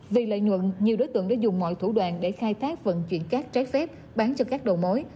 vì lợi nhuận nhiều đối tượng đã dùng mọi thủ đoạn để khai thác vận chuyển cát trái phép bán cho các đầu mối